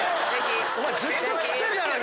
お前ずっと食ってるじゃない。